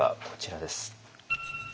こちらです。